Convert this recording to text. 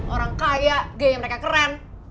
orang kaya gaya mereka keren